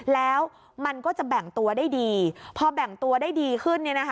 แล้วมันก็จะแบ่งตัวได้ดีพอแบ่งตัวได้ดีขึ้น